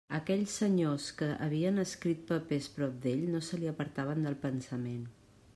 Aquells senyors que havien escrit papers prop d'ell no se li apartaven del pensament.